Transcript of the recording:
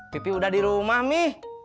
pipi udah di rumah nih